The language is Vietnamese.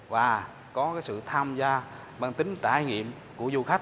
và có sự tham gia mang tính trải nghiệm của du khách